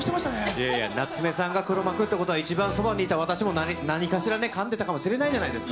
いやいや、夏目さんが黒幕ということは、一番そばにいた私も何かしらね、かんでたかもしれないじゃないですか。